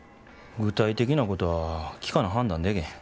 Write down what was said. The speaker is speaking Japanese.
具体的なことは聞かな判断でけへん。